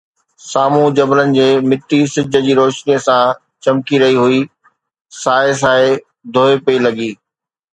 سامهون جبلن جي مٽي سج جي روشنيءَ سان چمڪي رهي هئي، سائي سائي ڌوئي پئي لڳي